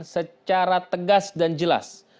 secara tegas dan jelas